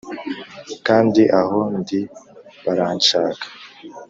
kandi aho ndi baranshaka